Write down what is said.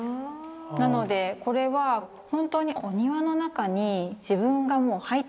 なのでこれは本当にお庭の中に自分がもう入ってしまうというか。